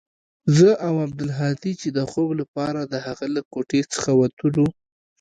زه او عبدالهادي چې د خوب لپاره د هغه له کوټې څخه وتلو.